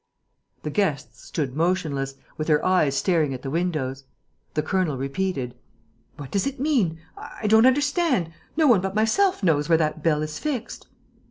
The guests stood motionless, with their eyes staring at the windows. The colonel repeated: "What does it mean? I don't understand. No one but myself knows where that bell is fixed...."